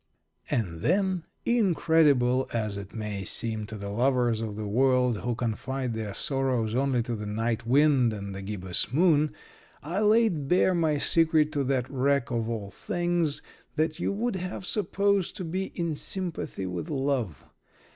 And then, incredible as it may seem to the lovers in the world who confide their sorrows only to the night wind and the gibbous moon, I laid bare my secret to that wreck of all things that you would have supposed to be in sympathy with love.